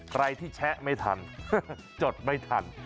ใครที่แชะไม่ทันจดไม่ทัน